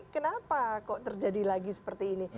kenapa kok terjadi lagi seperti ini